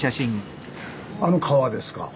あの川ですか？